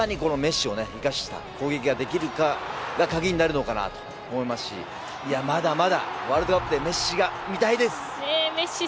次の試合でいかにメッシを生かした攻撃ができるのかが鍵になるのかなと思いますしまだまだワールドカップでメッシが見たいです。